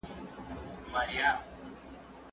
ځيني فقهاء وايي، چي د علاج مصارف پر خاوند باندي واجب ندي.